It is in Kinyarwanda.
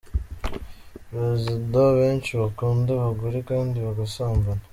Presidents benshi bakunda abagore kandi bagasambana.